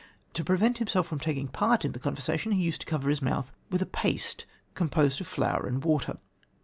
To prevent himself from taking part in the conversation, he used to cover his mouth with paste composed of flour and water.